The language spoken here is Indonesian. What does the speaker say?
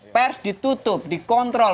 pers ditutup dikontrol